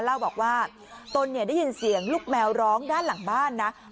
เล่าบอกว่าตนเนี่ยได้ยินเสียงลูกแมวร้องด้านหลังบ้านนะ